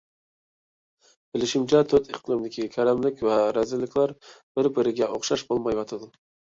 بىلىشىمچە، تۆت ئىقلىمدىكى كەرەملىك ۋە رەزىللىكلەر بىر - بىرىگە ئوخشاش بولمايۋاتىدۇ.